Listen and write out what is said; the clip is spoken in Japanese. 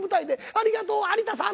ありがとう有田さん！